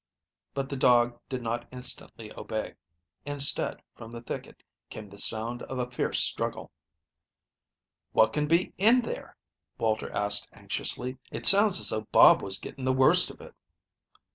But the dog did not instantly obey. Instead, from the thicket came the sound of a fierce struggle. "What can be in there?" Walter asked anxiously. "It sounds as though Bob was getting the worst of it."